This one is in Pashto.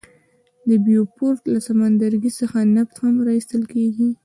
د بیوفورت له سمندرګي څخه نفت هم را ایستل کیږي.